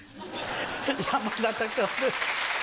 山田隆夫です。